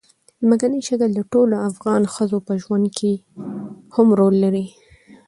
ځمکنی شکل د ټولو افغان ښځو په ژوند کې هم رول لري.